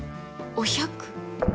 お百。